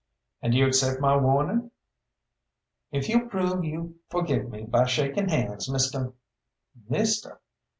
"And you accept my warning?" "If you'll prove you forgive me by shaking hands, Mr. " "Misteh?